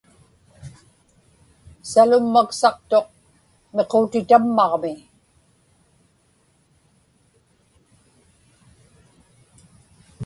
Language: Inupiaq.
Salummaksaqtuq miquutitammaġmi.